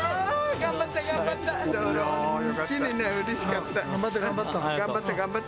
頑張った、頑張った。